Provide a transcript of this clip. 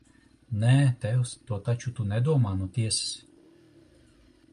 Nē, tēvs, to taču tu nedomā no tiesas!